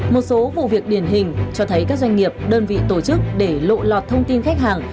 một số vụ việc điển hình cho thấy các doanh nghiệp đơn vị tổ chức để lộ lọt thông tin khách hàng